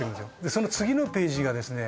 その次のページがですね